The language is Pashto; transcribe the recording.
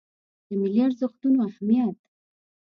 د ملي ارزښتونو اهمیت